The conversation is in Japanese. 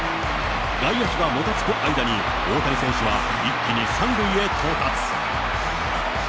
外野手がもたつく間に大谷選手は一気に３塁へ到達。